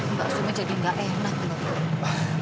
mbak sumi jadi nggak enak loh